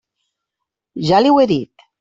Ja li ho he dit.